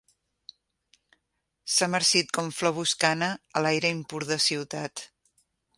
S'ha marcit com flor boscana, a l'aire impur de ciutat.